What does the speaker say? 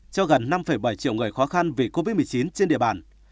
cho gần năm bảy triệu người khó khăn vì covid một mươi chín trên địa bàn